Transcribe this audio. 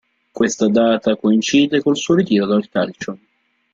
Questa data coincide col suo ritiro dal calcio.